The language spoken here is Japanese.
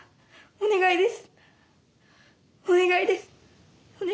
・お願いです。